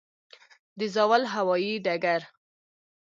د زاول هوايي ډګر